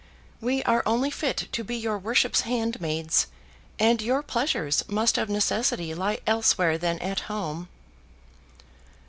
We are only fit to be your worship's handmaids, and your pleasures must of necessity lie elsewhere than at home."